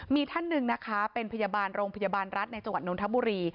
มีท่านหนึ่งนะคะเป็นพยาบาลโรงพยาบาลรัฐในจังหวัดนทบุรี